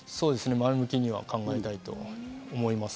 前向きには考えたいと思います。